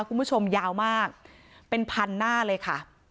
คุณผู้ชมยาวมากเป็นพันหน้าเลยค่ะ